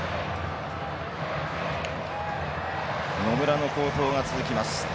野村の好投が続きます。